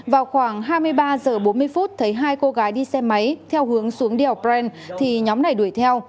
vào khoảng hai mươi ba h bốn mươi phút thấy hai cô gái đi xe máy theo hướng xuống đèo brent thì nhóm này đuổi theo